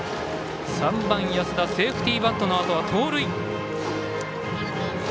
３番、安田セーフティーバントのあとは盗塁。